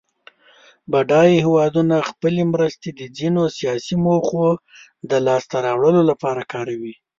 بډایه هېوادونه خپلې مرستې د ځینو سیاسي موخو د لاس ته راوړلو لپاره کاروي.